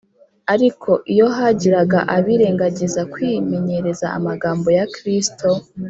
ariko iyo hagiraga abirengagiza kwimenyereza amagambo ya kristo,